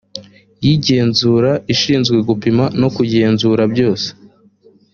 y igenzura ishinzwe gupima no kugenzura byose